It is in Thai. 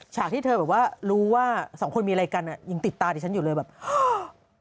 ฉากที่เธอแบบว่ารู้ว่าสองคนมีอะไรกันอ่ะยังติดตาดิฉันอยู่เลยแบบฮ่า